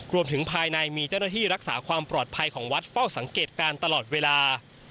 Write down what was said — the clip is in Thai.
รวมถึงภายในมีเจ้าหน้าที่รักษาความปลอดภัยของวัดเฝ้าสังเกตการณ์ตลอดเวลา